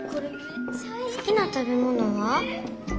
「好きな食べ物は？」。